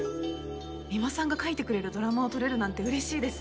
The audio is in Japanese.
三馬さんが書いてくれるドラマを撮れるなんて嬉しいです。